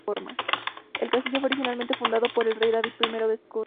El castillo fue originalmente fundado por el rey David I de Escocia.